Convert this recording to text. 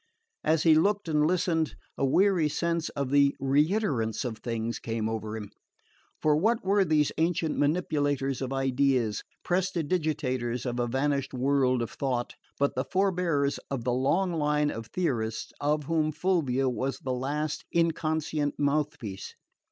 As he looked and listened, a weary sense of the reiterance of things came over him. For what were these ancient manipulators of ideas, prestidigitators of a vanished world of thought, but the forbears of the long line of theorists of whom Fulvia was the last inconscient mouthpiece?